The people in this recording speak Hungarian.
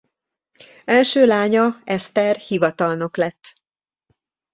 Első lánya Eszter hivatalnok lett.